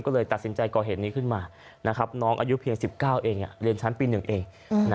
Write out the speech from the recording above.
ก็เลยตัดสินใจก่อเหตุนี้ขึ้นมาน้องอายุเพียง๑๙เองเรียนชั้นปี๑เอง